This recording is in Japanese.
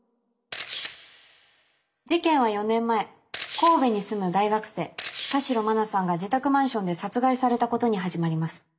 事件は４年前神戸に住む大学生田代真菜さんが自宅マンションで殺害されたことに始まります。